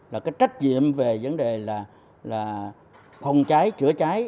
là cái trách nhiệm về vấn đề là phòng cháy chữa cháy